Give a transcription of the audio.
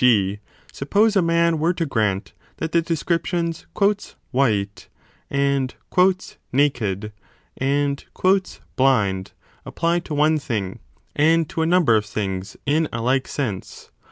g. suppose a man were to grant that the descriptions white and naked and blind apply to one thing and to a number of things in a like sense.